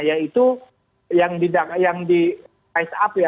yaitu yang di ice up ya